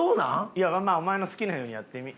いやまあお前の好きなようにやってみ。